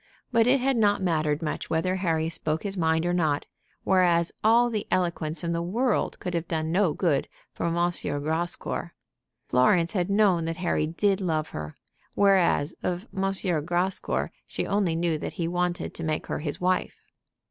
But it had not mattered much whether Harry spoke his mind or not, whereas all the eloquence in the world could have done no good for M. Grascour. Florence had known that Harry did love her, whereas of M. Grascour she only knew that he wanted to make her his wife.